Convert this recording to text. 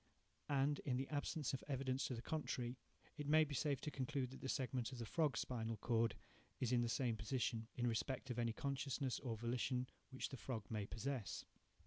And, in the absence of evidence to the contrary, it may be safe to conclude that the segment of the frog's spinal cord is in the same position, in respect of any consciousness, or volition, which the frog may possess.